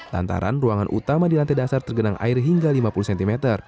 lantaran ruangan utama di lantai dasar tergenang air hingga lima puluh cm